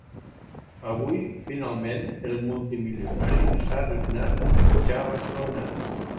Avui, finalment, el multimilionari s'ha dignat a trepitjar Barcelona.